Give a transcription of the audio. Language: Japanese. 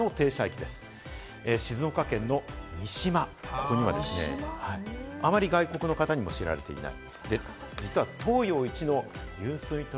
三島はあまり外国の方にも知られていない。